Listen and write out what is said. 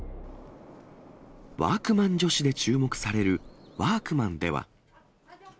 ワークマン女子で注目されるワークマンでは。